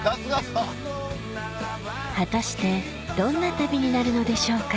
果たしてどんな旅になるのでしょうか？